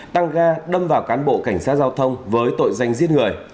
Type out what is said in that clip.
tăng ga đâm vào cán bộ cảnh sát giao thông với tội danh giết người